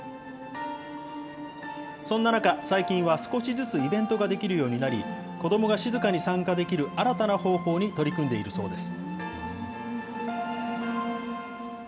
そんな中、最近は少しずつイベントができるようになり、子どもが静かに参加できる新たな方法に取り組んでいるそうです。